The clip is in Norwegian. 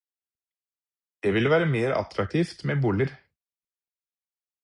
Det ville være mer attraktivt med boliger.